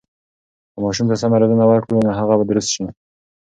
که ماشوم ته سمه روزنه ورکړو، نو هغه به درست شي.